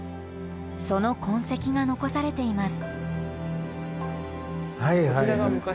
その痕跡が残されています。